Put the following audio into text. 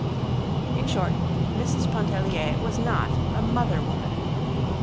In short, Mrs. Pontellier was not a mother woman.